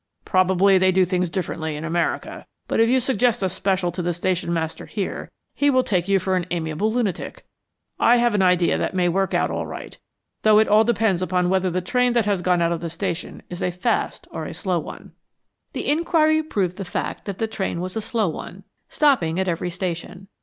Probably they do things differently in America, but if you suggest a special to the station master here, he will take you for an amiable lunatic. I have an idea that may work out all right, though it all depends upon whether the train that has gone out of the station is a fast or a slow one." The inquiry proved the fact that the train was a slow one, stopping at every station.